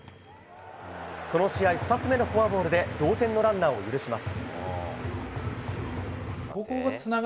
この試合２つ目のフォアボールで同点のランナーを許します。